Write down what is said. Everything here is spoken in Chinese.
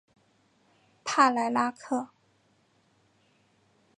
帕莱拉克。